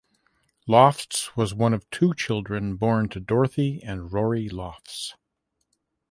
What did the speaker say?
Lofts was one of two children born to Dorothy and Rory Lofts.